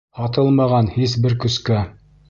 Һатылмаған һис бер көскә.